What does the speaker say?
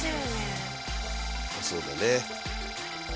そうだね。